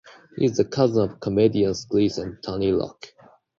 He is the cousin of comedians Chris and Tony Rock.